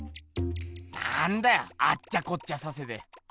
なんだよあっちゃこっちゃさせて。